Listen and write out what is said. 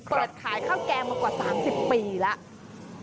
เปิดขายข้าวแกงมากว่า๓๐ปีแล้ว